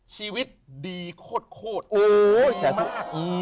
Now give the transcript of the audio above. ชีวิตดีโคตรโอ้ยแสนมาก